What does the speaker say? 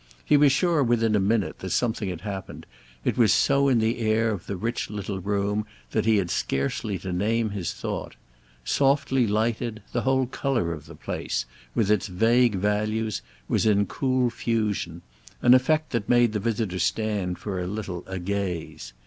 He was sure within a minute that something had happened; it was so in the air of the rich little room that he had scarcely to name his thought. Softly lighted, the whole colour of the place, with its vague values, was in cool fusion—an effect that made the visitor stand for a little agaze.